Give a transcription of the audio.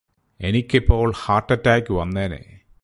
എനിക്കിപോൾ heart attack വന്നേനെ